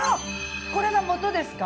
これが素ですか？